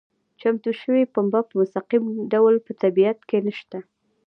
چمتو شوې پنبه په مستقیم ډول په طبیعت کې نشته.